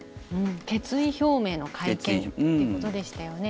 決意表明の会見ということでしたよね。